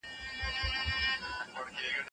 زه اوږده وخت د ژبې زده کړه کوم وم.